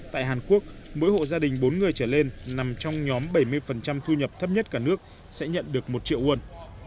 tại hàn quốc mỗi hộ gia đình bốn người trở lên nằm trong nhóm bảy mươi thu nhập thấp nhất cả nước sẽ nhận được một triệu won